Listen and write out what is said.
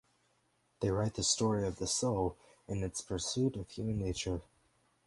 They write the story of the soul and its pursuit of human nature.